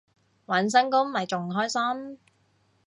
搵新工咪仲開心